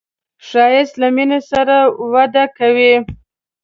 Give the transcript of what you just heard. ښایست له مینې سره وده کوي